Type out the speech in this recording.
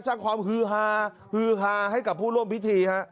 สร้างความฮือฮาฮือฮาให้กับผู้ร่วมพิธีฮะ